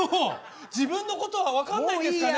自分のことは分かんないんですかね。